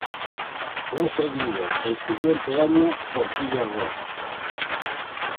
Fue seguido el siguiente año por "Tiger Rose".